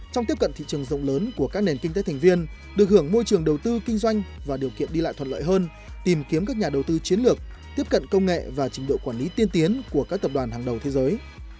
trong tiếp cận thị trường rộng lớn của các nền kinh tế thành viên được hưởng môi trường đầu tư kinh doanh và điều kiện đi lại thuận lợi hơn tìm kiếm các nhà đầu tư chiến lược tiếp cận công nghệ và trình độ quản lý tiên tiến của các tập đoàn hàng đầu thế giới